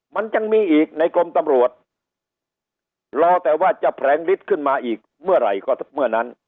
มันยังมีอีกในกรมตำรวจรอแต่ว่าจะแผลงฤทธิ์ขึ้นมาอีกเมื่อไหร่ก็เมื่อนั้น